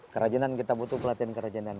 kerajinan kita butuh pelatihan kerajinan